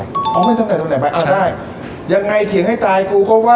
อ๋อเป็นตำแหน่งตำแหน่งตำแหน่งไปใช่ที่ไหนเถียงให้ตายกูก็ว่า